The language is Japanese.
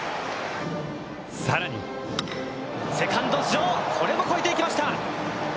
さらにセカンド頭上、これも越えていきました。